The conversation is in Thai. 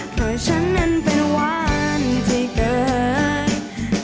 เพราะฉันนั้นเป็นวานที่เกิด